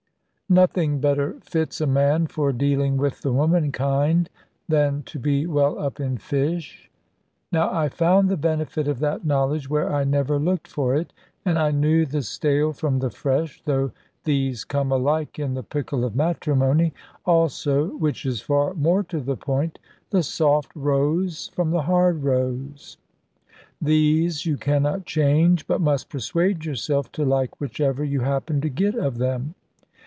Nothing better fits a man, for dealing with the womankind, than to be well up in fish. Now I found the benefit of that knowledge where I never looked for it; and I knew the stale from the fresh though these come alike in the pickle of matrimony also (which is far more to the point) the soft roes from the hard roes. These you cannot change; but must persuade yourself to like whichever you happen to get of them.